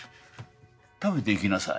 食べていきなさい。